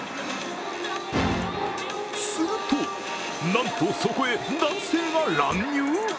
すると、なんとそこへ男性が乱入？